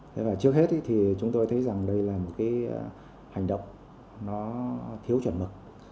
trước hết thì chúng tôi thấy rằng đây là một cái hành động nó thiếu chuẩn mực